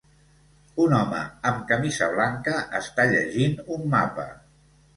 Un home amb camisa blanca està llegint un mapa.